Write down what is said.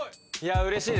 うれしいです。